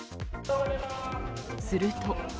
すると。